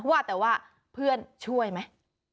ว่าแต่ว่าเพื่อนช่วยไหม